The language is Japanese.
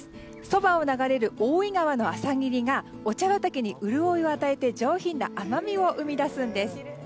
そばを流れる大井川の朝霧がお茶畑に潤いを与えて上品な甘みを生み出すんです。